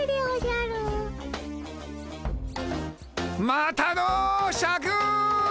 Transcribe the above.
またのシャク！